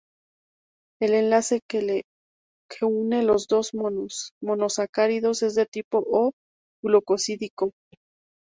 El enlace que une los dos monosacáridos es de tipo O-glucosídico.